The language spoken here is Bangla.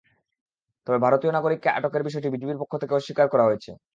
তবে ভারতীয় নাগরিককে আটকের বিষয়টি বিজিবির পক্ষ থেকে অস্বীকার করা হয়েছে।